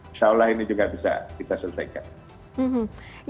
insya allah ini juga bisa kita selesaikan